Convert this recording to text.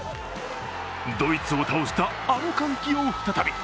ドイツを倒した、あの歓喜を再び！